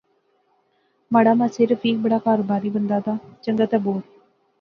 مہاڑا ماسیر رفیق بڑا کاروباری بندہ دا۔ چنگا تر بور